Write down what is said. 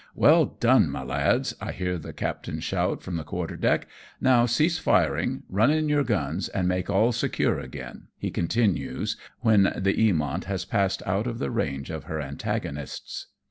'• Well done, my lads," I hear the captain shout from the quarter deck, " now cease firing, run in your guns and make all secure again," he continueSj when the Eamont has passed out of the range of her antagonists.